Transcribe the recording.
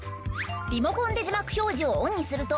リモコンで字幕表示をオンにすると。